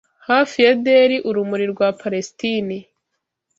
Hafi ya dell urumuri rwa Palesitine,